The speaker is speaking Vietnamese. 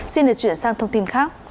xin để chuyển sang thông tin khác